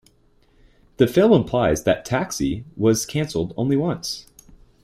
The film implies that "Taxi" was canceled only once.